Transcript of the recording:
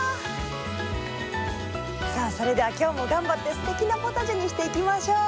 さあそれでは今日も頑張ってすてきなポタジェにしていきましょう。